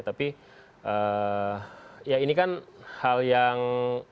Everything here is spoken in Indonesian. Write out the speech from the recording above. tapi ya ini kan hal yang